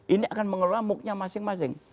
ini akan mengelola mooc nya masing masing